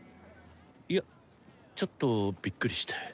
やっちょっとびっくりして。